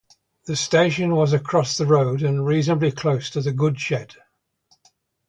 The station was across the road and reasonably close to the goods shed.